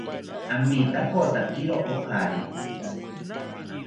Amitakotakiro ojari